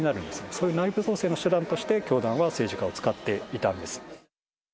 そういう内部統制の手段として、教団は政治家を使っていたんです。